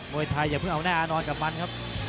วยไทยอย่าเพิ่งเอาแน่นอนกับมันครับ